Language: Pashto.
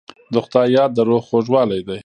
د خدای یاد د روح خوږوالی دی.